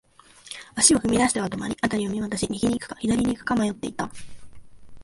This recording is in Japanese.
足を踏み出しては止まり、辺りを見回し、右に行くか、左に行くか迷っていた。